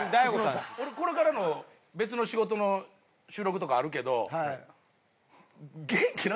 俺これから別の仕事の収録とかあるけど。